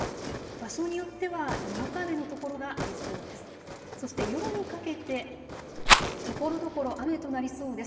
場所によってはにわか雨の所がありそうです。